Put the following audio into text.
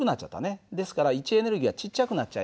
ですから位置エネルギーはちっちゃくなっちゃいました。